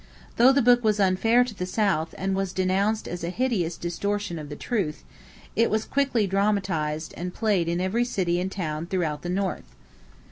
Though the book was unfair to the South and was denounced as a hideous distortion of the truth, it was quickly dramatized and played in every city and town throughout the North.